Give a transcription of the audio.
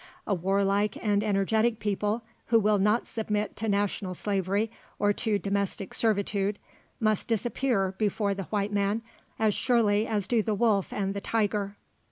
A warlike and energetic people, who will not submit to national slavery or to domestic servitude, must disappear before the white man as surely as do the wolf and the tiger.